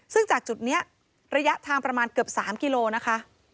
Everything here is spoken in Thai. ซึ่งจากจุดนี้ระยะทางประมาณเกือบ๓กิโลนะคะ